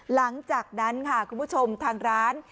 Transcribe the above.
หลังจากนั้นค่ะคุณผู้ชมทางร้าน